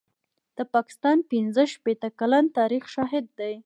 د پاکستان پنځه شپېته کلن تاریخ شاهد دی.